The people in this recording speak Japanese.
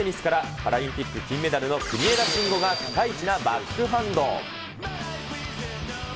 パラリンピック金メダルの国枝慎吾がピカイチなバックハンド。